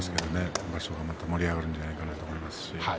今場所はまた盛り上がるんじゃないかなと思います。